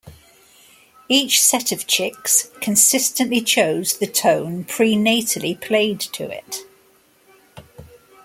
Each set of chicks consistently chose the tone prenatally played to it.